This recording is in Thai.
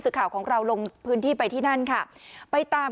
ข่าวของเราลงพื้นที่ไปที่นั่นค่ะไปตาม